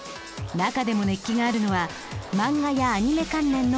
中でも熱気があるのはマンガやアニメ関連のブースだ。